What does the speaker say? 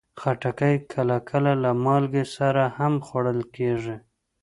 خټکی کله کله له مالګې سره هم خوړل کېږي.